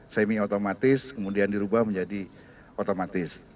semi otomatis kemudian dirubah menjadi otomatis